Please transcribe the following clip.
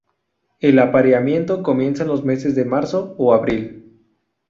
El apareamiento comienza en los meses de marzo o abril.